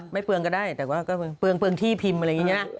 เปลืองก็ได้แต่ว่าก็เปลืองที่พิมพ์อะไรอย่างนี้